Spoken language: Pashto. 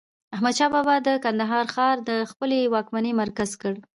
احمد شاه بابا د کندهار ښار د خپلي واکمنۍ مرکز کړ.